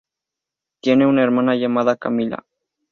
Tiene una hermana llamada Camila.